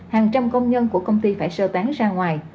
hàng trăm công nhân của công ty phải sơ tán ra ngoài